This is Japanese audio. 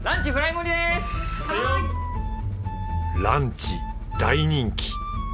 ランチ大人気！